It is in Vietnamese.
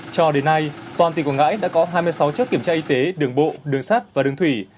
cho đến nay toàn tỉnh quảng ngãi đã có hai mươi sáu chốt kiểm tra y tế đường bộ đường sát và đường thủy